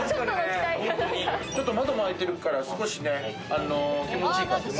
ちょっと窓も開いてるから少し気持ちいいかも。